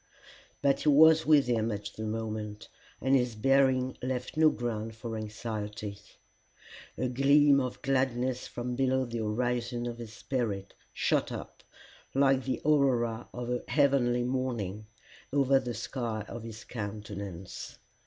But he was with him at the moment, and his bearing left no ground for anxiety. A gleam of gladness from below the horizon of his spirit, shot up, like the aurora of a heavenly morning, over the sky of his countenance.